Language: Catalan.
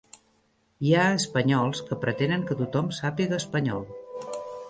Hi ha espanyols que pretenen que tothom sàpiga espanyol.